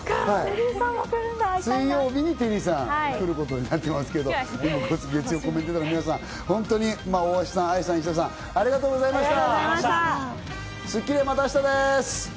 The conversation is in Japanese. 水曜日にテリーさん来ることになってますけど、月曜コメンテーターの皆さん、大橋さん、愛さん、石田さん、ありがとうございました。